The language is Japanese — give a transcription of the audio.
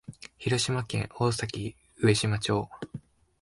広島県大崎上島町